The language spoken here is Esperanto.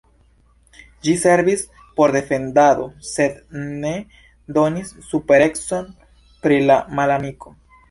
Ĝi servis por defendado, sed ne donis superecon pri la malamiko.